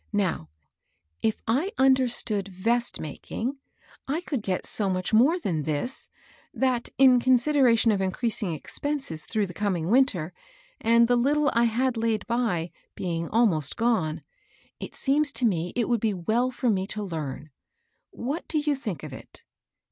Now, if I understood vest making, I could get so much more than this, that, in consideration of increasing expenses through the coming winter, and the little I had laid by be ing almost gone, it seems to me it would be well for me to learn. What do you think of it?